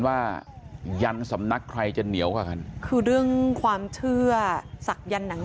ว่ายันสำนักใครจะเหนียวกว่ากันคือเรื่องความเชื่อศักยันต์หนัง